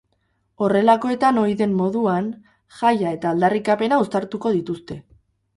Horrelakoetan ohi den moduan, jaia eta aldarrikapena uztartuko dituzte.